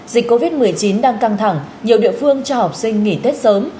dịch covid một mươi chín đang căng thẳng nhiều địa phương cho học sinh nghỉ tết sớm